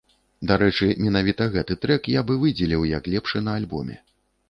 Дарэчы, менавіта гэты трэк я б і выдзеліў, як лепшы на альбоме.